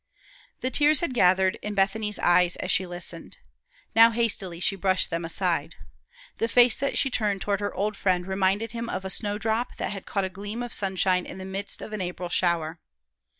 The tears had gathered in Bethany's eyes as she listened. Now she hastily brushed them aside. The face that she turned toward her old friend reminded him of a snowdrop that had caught a gleam of sunshine in the midst of an April shower.